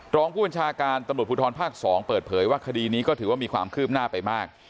รองผู้บัญชาการตำรวจภูทรภาค๒เปิดเผยว่าคดีนี้ก็ถือว่ามีความคืบหน้าไปมาก